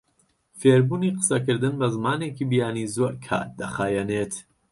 فێربوونی قسەکردن بە زمانێکی بیانی زۆر کات دەخایەنێت.